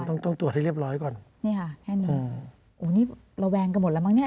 ต้องต้องตรวจให้เรียบร้อยก่อนนี่ค่ะแค่นี้อืมโอ้นี่ระแวงกันหมดแล้วมั้งเนี้ย